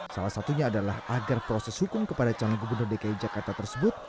salah satunya adalah agar proses hukum kepada calon gubernur dki jakarta tersebut